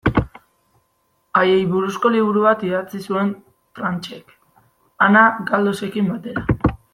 Haiei buruzko liburu bat idatzi zuen Tranchek, Ana Galdosekin batera.